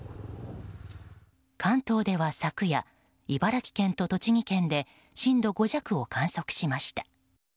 関東では昨夜、茨城県と栃木県で震度５弱を観測しました。